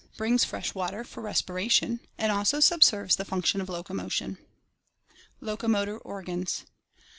424 ORGANIC EVOLUTION brings fresh water for respiration, and also subserves the function of locomotion. Locomotor Organs.